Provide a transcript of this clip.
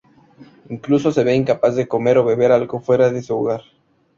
Incluso se ve incapaz de comer o beber algo fuera de su hogar.